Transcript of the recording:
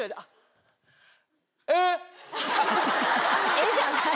「え」じゃない？